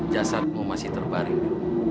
jasadmu masih terparing